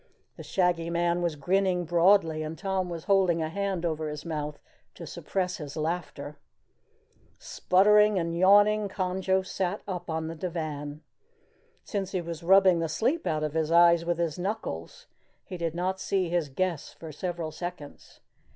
The Shaggy Man was grinning broadly, and Tom was holding a hand over his mouth to suppress his laughter. Sputtering and yawning, Conjo sat up on the divan. Since he was rubbing the sleep out of his eyes with his knuckles, he did not see his guests for several seconds.